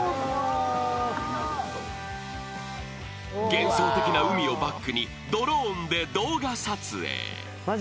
［幻想的な海をバックにドローンで動画撮影］